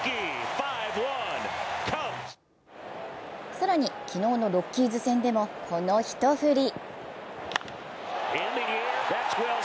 更に、昨日のロッキーズ戦でもこの一振り。